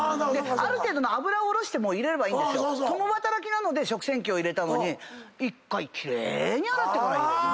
ある程度の油を落として入れればいいけど共働きなので食洗機を入れたのに１回奇麗に洗ってから入れるっていう。